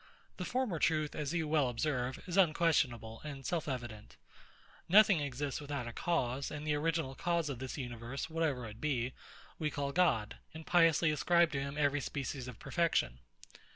The former truth, as you well observe, is unquestionable and self evident. Nothing exists without a cause; and the original cause of this universe (whatever it be) we call God; and piously ascribe to him every species of perfection.